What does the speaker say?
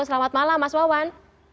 selamat malam mas wawan